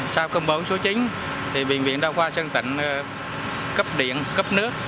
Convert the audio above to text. sau công bố số chín thì bệnh viện đa khoa sơn tịnh cấp điện cấp nước